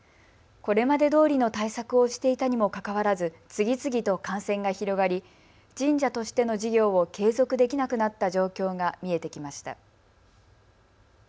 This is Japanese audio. これまでどおりの対策をしていたにもかかわらず次々と感染が広がり神社としての事業を継続できなくなった状況が見えてきました。